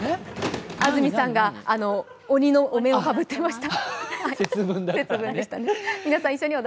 安住さんが鬼のお面をかぶってました。